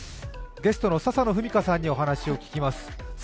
ゲストの笹野文香さんにお話を聞きます。